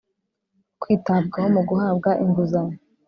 kwitabwaho mu guhabwa inguzanyo